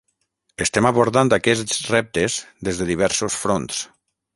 Estem abordant aquests reptes des de diversos fronts.